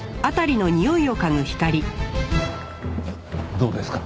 どうですか？